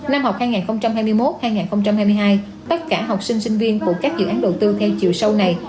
năm học hai nghìn hai mươi một hai nghìn hai mươi hai tất cả học sinh sinh viên của các dự án đầu tư theo chiều sâu này